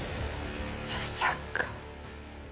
まさか。